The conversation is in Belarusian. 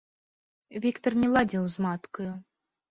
Віктар не ладзіў з маткаю.